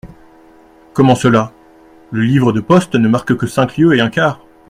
Comment cela ? le livre de poste ne marque que cinq lieues et un quart.